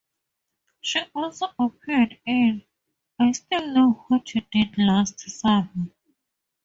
She also appeared in "I Still Know What You Did Last Summer".